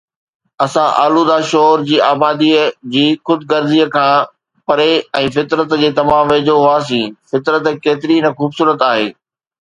اسان آلوده شور جي آباديءَ جي خود غرضيءَ کان پري ۽ فطرت جي تمام ويجهو هئاسين، فطرت ڪيتري نه خوبصورت آهي.